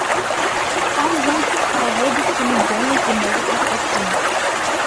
Там ён праводзіць сямідзённы зімовы адпачынак.